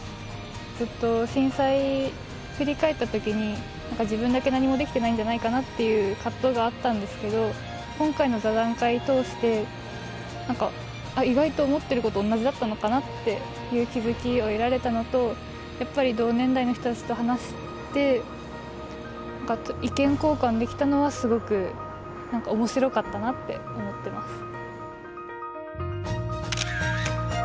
ずっと震災振り返った時に自分だけ何もできてないんじゃないかなっていう葛藤があったんですけど今回の座談会通して何か意外と思ってること同じだったのかなっていう気付きを得られたのとやっぱり同年代の人たちと話して意見交換できたのはすごく面白かったなって思ってます。